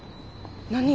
何？